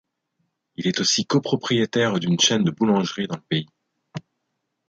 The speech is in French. Il est aussi copropriétaire d'une chaîne de boulangeries dans le pays.